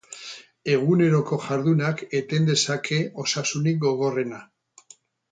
Eguneroko jardunak eten dezake osasunik gogorrena.